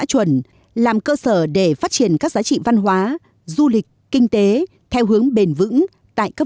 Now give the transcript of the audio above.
nông thôn làm cơ sở để phát triển các giá trị văn hóa du lịch kinh tế theo hướng bền vững tại các